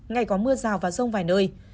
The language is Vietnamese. ngày có mưa rào và rông vài nơi